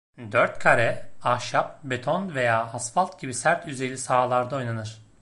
Dört kare, ahşap, beton veya asfalt gibi sert yüzeyli sahalarda oynanır.